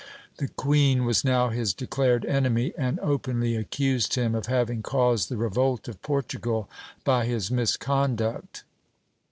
The queen was now his declared enemy, and openly accused him of having caused the revolt of Portugal by his misconduct.